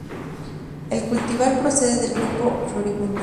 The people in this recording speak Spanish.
El cultivar procede del grupo Floribunda.